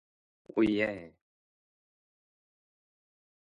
오예!